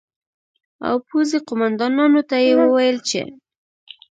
او پوځي قومندانانو ته یې وویل چې